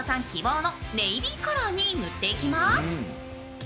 希望のネイビーカラーに塗っていきます。